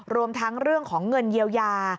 รวมทั้งเรื่องของเงินเยียวยา